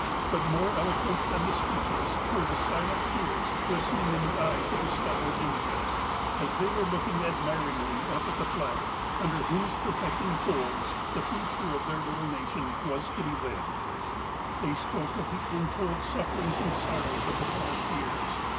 But, more eloquent than the speeches, were the silent tears glistening in the eyes of the stalwart Indians, as they were looking admiringly up at the flag, under whose protecting folds the future of their little nation was to be 292 THE APOSTLE OF ALASKA lived. They spoke of the untold sufferings and sorrows of the past years.